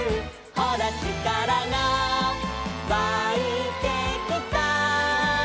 「ほらちからがわいてきた」